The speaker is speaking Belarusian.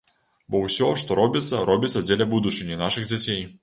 Бо ўсё, што робіцца, робіцца дзеля будучыні нашых дзяцей.